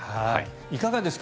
いかがですか？